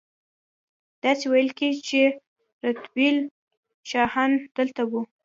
داسې ویل کیږي چې رتبیل شاهان دلته وو